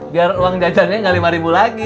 biar uang jajannya nggak lima ribu lagi